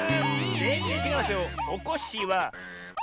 ぜんぜんちがうんですよ。